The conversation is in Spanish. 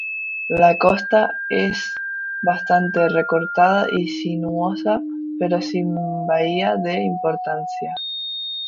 La costa es bastante recortada y sinuosa pero sin bahías de importancia.